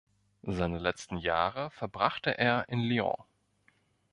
Seine letzten Jahre verbrachte er in Lyon.